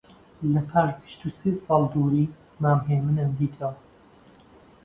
لە پاش بیست و سێ ساڵ دووری، مام هێمنیم دیتەوە